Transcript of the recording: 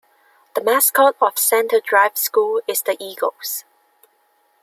The mascot of Center Drive School is the Eagles.